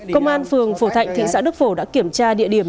công an phường phổ thạnh thị xã đức phổ đã kiểm tra địa điểm